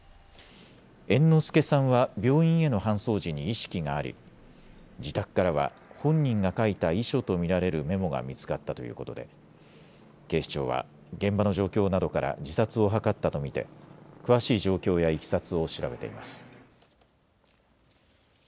猿之助さんは病院への搬送時に意識があり自宅からは本人が書いた遺書と見られるメモが見つかったということで警視庁は現場の状況などから自殺を図ったと見て詳しい状況やいきさつを調べています。